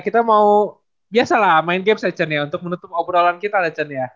kita mau biasa lah main games ya cen ya untuk menutup obrolan kita ya cen ya